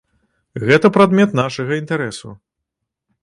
Гэта прадмет нашага інтарэсу.